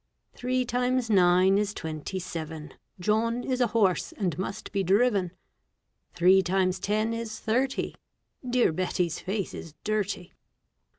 Three times nine is twenty seven, John is a horse, and must be driven. Three times ten is thirty. Dear Betty's face is dirty.